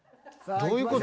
［どういう事？］